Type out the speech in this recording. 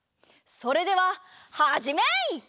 それでははじめい！